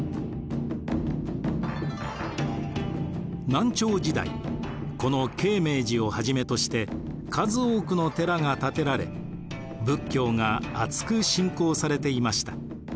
南朝時代この鶏鳴寺をはじめとして数多くの寺が建てられ仏教があつく信仰されていました。